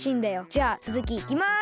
じゃあつづきいきます！